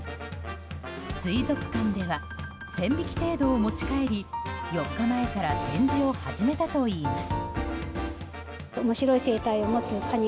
水族館では１０００匹程度を持ち帰り４日前から展示を始めたといいます。